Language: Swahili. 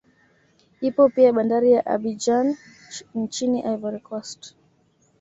Ipo pia bandari ya Abidjan nchini Ivory Coast